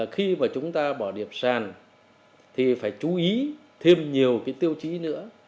khi mà chúng ta bỏ điểm sàn thì phải chú ý thêm nhiều cái tiêu chí nữa